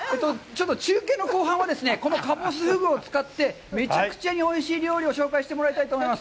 中継の後半はこのかぼすフグを使って、めちゃくちゃにおいしい料理を紹介してもらいたいと思います。